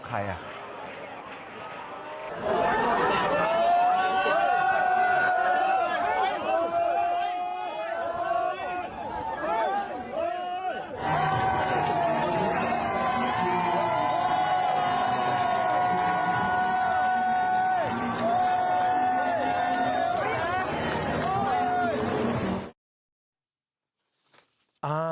ใครอ่ะ